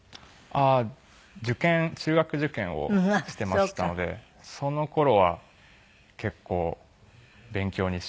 ああ受験中学受験をしていましたのでその頃は結構勉強に集中していましたね。